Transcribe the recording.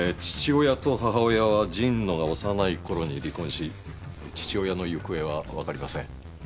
父親と母親は神野が幼いころに離婚し父親の行方は分かりません。